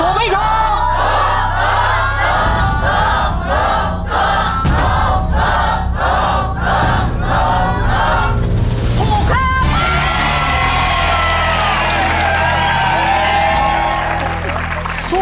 ถูกถูก